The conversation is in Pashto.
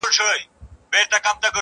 یوه بل ته یې ویله چي بیلیږو؛